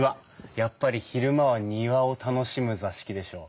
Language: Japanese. やっぱり昼間は庭を楽しむ座敷でしょ。